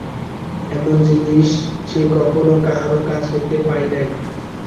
এমন জিনিস সে কখনো কাহারো কাছ হইতে পায় নাই।